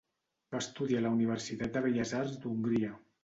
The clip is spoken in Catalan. Va estudiar a la Universitat de Belles Arts d'Hongria.